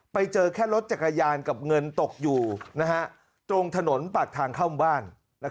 ไปเจอแค่รถจักรยานกับเงินตกอยู่ตรงถนนปากทางเข้าบ้าน